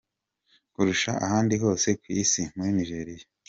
Kurusha ahandi hose ku isi muri Nigeria.